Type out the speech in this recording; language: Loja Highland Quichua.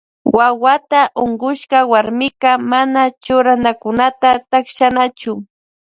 Wawata unkushka warmika mana churanakunata takshanachu.